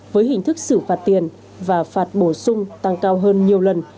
với hình thức xử phạt tiền và phạt bổ sung tăng cao hơn nhiều lần